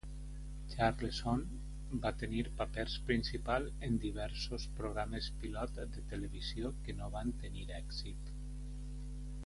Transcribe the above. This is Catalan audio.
Charleson va tenir papers principals en diversos programes pilot de televisió que no van tenir èxit.